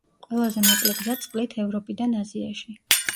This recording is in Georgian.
ყველაზე მოკლე გზა წყლით ევროპიდან აზიაში.